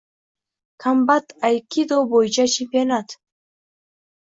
Kombat aykido bo‘yicha chempionat